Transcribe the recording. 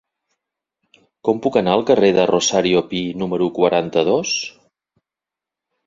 Com puc anar al carrer de Rosario Pi número quaranta-dos?